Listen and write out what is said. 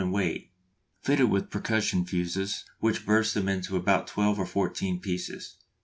in weight, fitted with percussion fuses which burst them into about twelve or fourteen pieces.